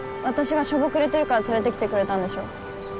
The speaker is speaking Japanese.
私がしょぼくれてるから連れてきてくれたんでしょ？